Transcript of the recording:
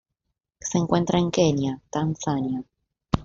Se encuentra en Kenia, Tanzania.